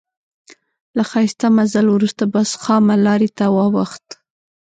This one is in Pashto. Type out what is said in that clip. له ښایسته مزل وروسته بس خامه لارې ته واوښت.